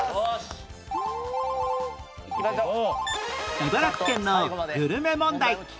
茨城県のグルメ問題